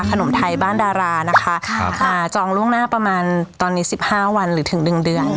ขนมไทยบ้านดารานะคะค่ะอ่าจองล่วงหน้าประมาณตอนนี้สิบห้าวันหรือถึงหนึ่งเดือน